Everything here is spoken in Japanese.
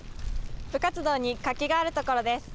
部活動に活気があるところです。